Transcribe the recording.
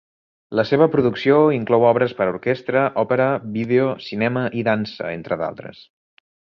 La seva producció inclou obres per a orquestra, òpera, vídeo, cinema i dansa, entre d'altres.